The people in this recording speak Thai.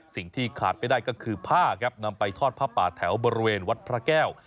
สิ่งที่ขาดไม่ได้ก็คือผ้าครับนำไปทอดผ้าป่าแถวบริเวณวัดพระแก้ว